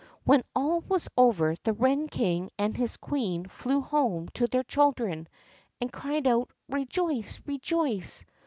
When all was over the wren king and his queen flew home to their children, and cried out: "Rejoice! rejoice!